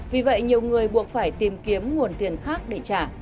vì vậy nhiều người buộc phải tìm kiếm nguồn tiền khác để trả